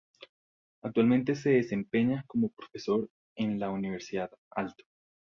Actualmente se desempeña como profesor en la Universidad Aalto.